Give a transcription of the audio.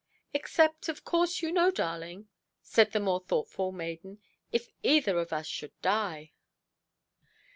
"Except, of course, you know, darling", said the more thoughtful maiden, "if either of us should die".